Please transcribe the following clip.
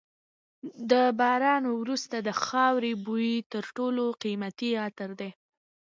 د باران وروسته د خاورې بوی تر ټولو قیمتي عطر دی.